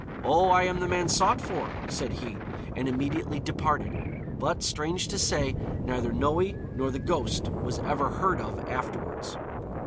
"O, I am the man sought for," said he, and immediately departed; but strange to say, neither Noe nor the ghost was ever heard of afterwards.'